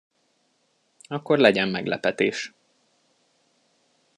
Akkor legyen meglepetés.